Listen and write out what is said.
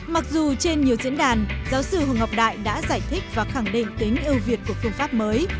mặc dù trên nhiều diễn đàn giáo sư hồ ngọc đại đã giải thích và khẳng định tính yêu việt của phương pháp mới